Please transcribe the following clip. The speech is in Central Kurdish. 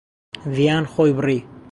ڤیان خۆی بڕی.